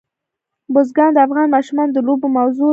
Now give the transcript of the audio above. بزګان د افغان ماشومانو د لوبو موضوع ده.